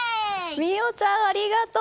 望央ちゃん、ありがとう！